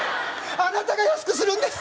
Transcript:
あなたが安くするんです！